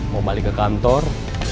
mau balik ke kantor